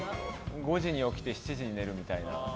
５時に起きて７時に寝るみたいな。